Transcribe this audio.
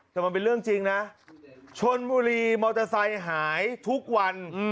แต่มันเป็นเรื่องจริงนะชนบุรีมอเตอร์ไซค์หายทุกวัน